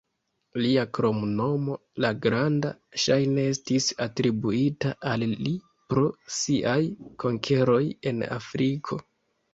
Lia kromnomo, "La Granda", ŝajne estis atribuita al li pro siaj konkeroj en Afriko.